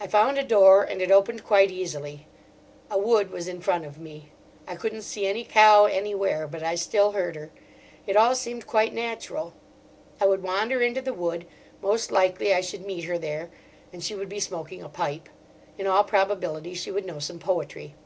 I found a door and it opened quite easily. A wood was in front of me. I couldn't see any cow anywhere, but I still heard her. It all seemed quite natural. I would wander into the wood; most likely I should meet her there, and she would be smoking a pipe. In all probability she would know some poetry.